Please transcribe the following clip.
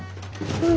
うん？